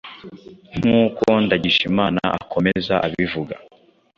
nkuko Ndagijimana akomeza abivuga